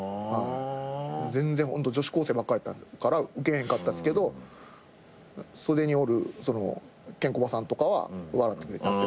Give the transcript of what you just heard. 全然ホント女子高生ばっかりやったからウケへんかったっすけど袖におるケンコバさんとかは笑ってくれた。